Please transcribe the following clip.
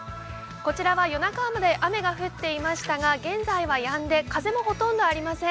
こちらは夜中まで雨が降っていましたが現在はやんで風もほとんどありません。